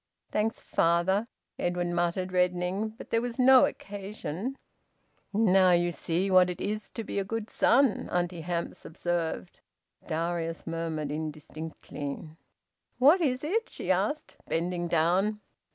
"Thanks, father," Edwin muttered, reddening. "But there was no occasion." "Now you see what it is to be a good son!" Auntie Hamps observed. Darius murmured indistinctly. "What is it?" she asked, bending down.